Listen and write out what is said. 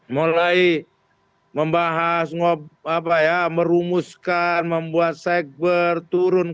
mulai membahas merumuskan membuat segber turunkan